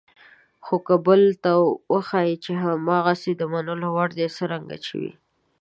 خو که بل ته وښایئ چې هماغسې د منلو وړ دي څرنګه چې دي.